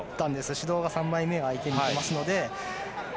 指導が３枚目が相手に行きますので。